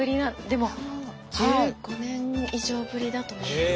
でも１５年以上ぶりだと思います。